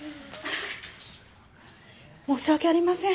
申し訳ありません。